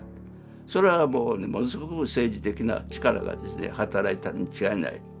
それはものすごく政治的な力がですね働いたに違いない。